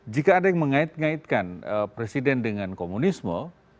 jika ada yang mengait ngaitkan presiden dengan komunisme